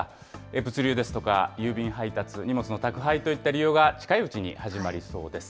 物流ですとか、郵便配達、荷物の宅配といった利用が近いうちに始まりそうです。